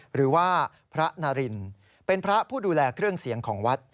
หรือว่าพระนารินเป็นพระผู้ดูแลเครื่องเสียงของวัด